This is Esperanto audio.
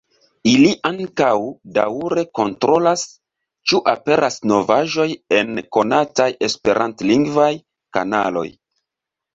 Ili ankaŭ daŭre kontrolas, ĉu aperas novaĵoj en konataj esperantlingvaj kanaloj.